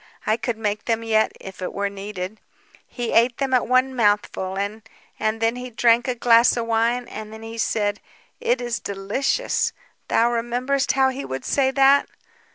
I could make them yet if it were needed. He ate them at one mouthful, and ... and then he drank a glass of wine, and then he said, 'It is delicious.' Thou rememberest how he would say that?